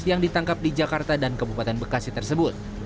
yang ditangkap di jakarta dan kabupaten bekasi tersebut